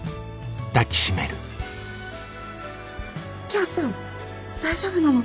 キョーちゃん大丈夫なの？